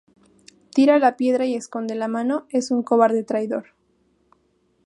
Tira la piedra y esconde la mano. Es un cobarde traidor